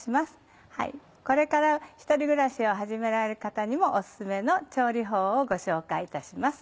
これから１人暮らしを始められる方にもオススメの調理法をご紹介いたします。